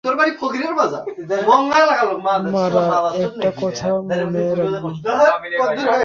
মারা, একটা কথা মনে রাখবি।